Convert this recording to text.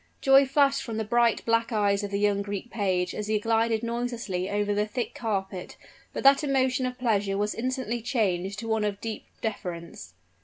Joy flashed from the bright black eyes of the young Greek page as he glided noiselessly over the thick carpet, but that emotion of pleasure was instantly changed to one of deep deference.